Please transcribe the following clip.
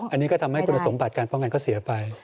อันนี้ก็ทำให้คุณสมบัติการป้องกันก็เสียไป